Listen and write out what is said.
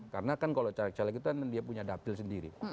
karena kan kalau caleg caleg itu kan dia punya dapil sendiri